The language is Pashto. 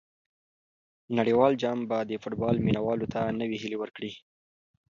نړیوال جام به د فوټبال مینه والو ته نوې هیلې ورکړي.